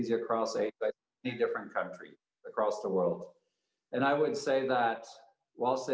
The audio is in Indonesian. tetapi ada banyak hal lain yang berlaku pada saat ini